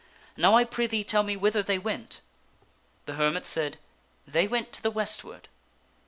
Now, I prithee tell me whither they went." The hermit said, " They went to the westward."